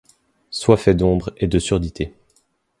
Soit fait d’ombre et de surdité ;